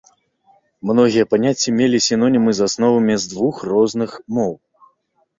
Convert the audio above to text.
Многія паняцці мелі сінонімы з асновамі з двух розных моў.